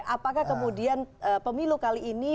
apakah kemudian pemilu kali ini